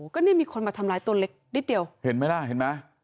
ก็นี่มีคนมาทำร้ายตัวเล็กนิดเดียวเห็นไหมล่ะเห็นไหม